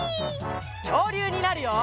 きょうりゅうになるよ！